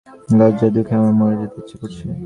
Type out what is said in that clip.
লজ্জায় দুঃখে আমার মরে যেতে ইচ্ছে করছে।